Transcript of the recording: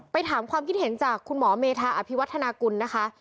ถามความคิดเห็นจากคุณหมอเมธาอภิวัฒนากุลนะคะ